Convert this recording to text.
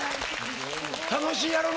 楽しいやろな。